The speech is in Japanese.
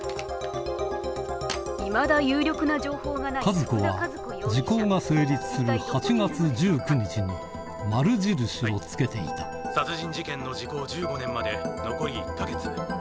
和子は時効が成立する８月１９日に丸印を付けていた殺人事件の時効１５年まで残り１か月。